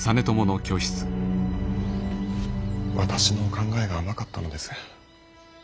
私の考えが甘かったのです。